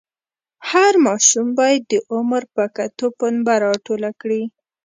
هر ماشوم باید د عمر په کتو پنبه راټوله کړي.